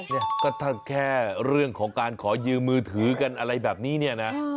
เนี่ยก็ถ้าแค่เรื่องของการขอยืมมือถือกันอะไรแบบนี้เนี่ยนะ